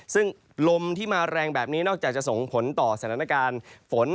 ซึ่งลมที่มาแรงแบบนี้นอกจากจะส่งผลต่อสถานการณ์ฝน